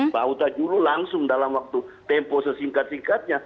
pak utajulu langsung dalam waktu tempo sesingkat singkatnya